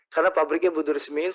karena pabriknya beresmikan